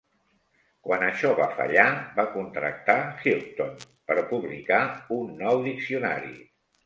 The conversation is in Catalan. Quan això va fallar, va contractar Houghton per publicar un nou diccionari.